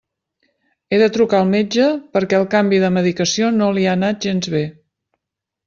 He de trucar al metge perquè el canvi de medicació no li ha anat gens bé.